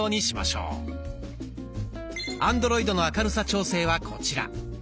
アンドロイドの明るさ調整はこちら。